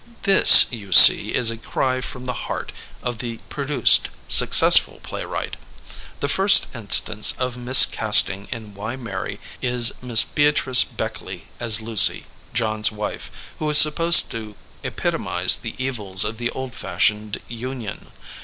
This, you see, is a cry from the heart of the produced, successful playwright. The first in stance of miscasting in Why Marry? is Miss Beatrice Beckley as Lucy, John's wife, who is supposed to epitomize the evils of the old fashioned union.